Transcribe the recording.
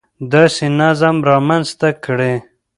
داسې نظم رامنځته کړي